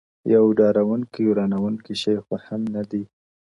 • یو ډارونکی، ورانونکی شی خو هم نه دی،